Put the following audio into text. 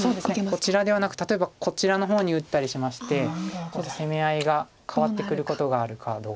こちらではなく例えばこちらの方に打ったりしまして攻め合いが変わってくることがあるかどうかです。